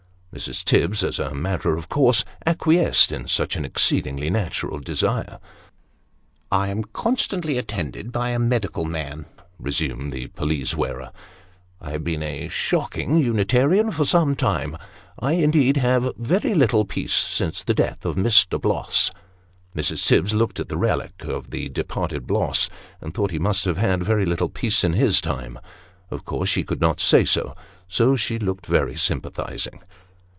Mrs. Tibbs, as a matter of course, acquiesced in such an exceedingly natural desire " I am constantly attended by a medical man," resumed the pelisse wearer ;" I have been a shocking Unitarian for some time I, indeed, have had very little peace since the death of Mr. Bloss." Mrs. Tibbs looked at the relict of the departed Bloss, and thought he must have had very little peace in his time. Of course she could not say so ; so she looked very sympathising.